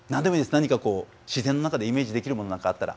何かこう自然の中でイメージできるもの何かあったら。